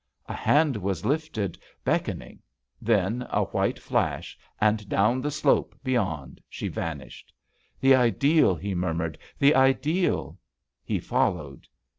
A hand was lifted, beckon JUST SWEETHEARTS ing. Then, a white flash, and down the slope beyond she vanished. "The ideal I" he murmured, "the ideal!" He followed.